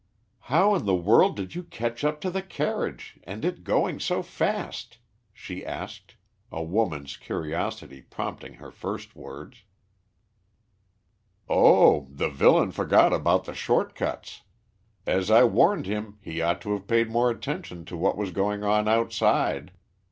"How in the world did you catch up to the carriage and it going so fast?" she asked, a woman's curiosity prompting her first words. "Oh, the villain forgot about the short cuts. As I warned him, he ought to have paid more attention to what was going on outside.